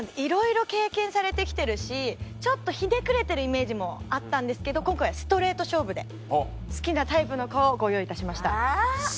ちょっとひねくれてるイメージもあったんですけど今回はストレート勝負で好きなタイプの子をご用意いたしました。